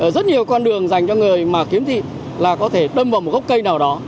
rất nhiều con đường dành cho người mà khiếm thị là có thể đâm vào một gốc cây nào đó